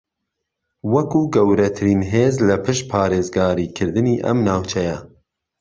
وەکو گەورەترین ھێز لە پشت پارێزگاریکردنی ئەم ناوچەیە